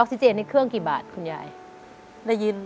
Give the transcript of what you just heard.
ออกซิเกนในเครื่องกี่บาทคุณยาย